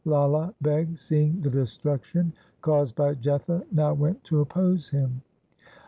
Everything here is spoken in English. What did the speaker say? Lala Beg, seeing the destruction caused by Jetha, now went to oppose him.